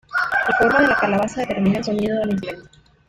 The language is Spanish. La forma de la calabaza determina el sonido del instrumento.